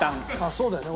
そうだよね。